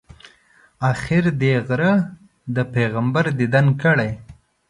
آخر دې غره د پیغمبر دیدن کړی.